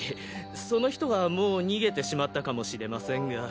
その人はもう逃げてしまったかもしれませんが。